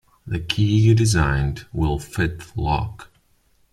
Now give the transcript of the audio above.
The key you designed will fit the lock.